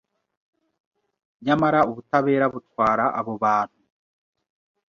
Nyamara ubutabera butwara abo bantu